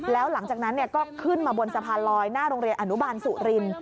แล้วหลังจากนั้นก็ขึ้นมาบนสะพานลอยหน้าโรงเรียนอนุบาลสุริน